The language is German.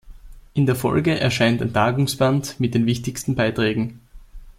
In der Folge erscheint ein Tagungsband mit den wichtigsten Beiträgen.